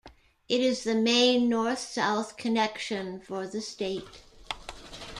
It is the main north-south connection for the state.